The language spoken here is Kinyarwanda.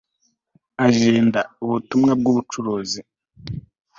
AGENGA UBUTUMWA BW UBUCURUZI